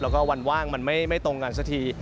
แล้วก็วันว่างมันไม่ตรงกันสักที